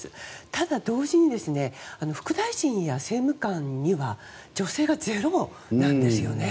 ただ、同時に副大臣や政務官には女性がゼロなんですよね。